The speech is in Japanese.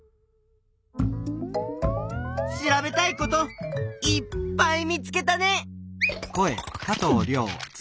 調べたいこといっぱい見つけたね。